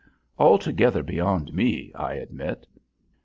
Altogether beyond me, I admit.